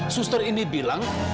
suster ini bilang